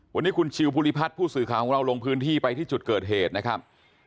วันนี้คุณชิวภูริพัฒน์ผู้สื่อข่าวของเราลงพื้นที่ไปที่จุดเกิดเหตุนะครับ